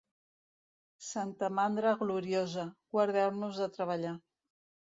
Santa mandra gloriosa, guardeu-nos de treballar.